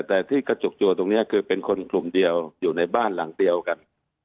แต่ที่กระจุกตัวตรงนี้คือเป็นคนกลุ่มเดียวอยู่ในบ้านหลังเดียวกัน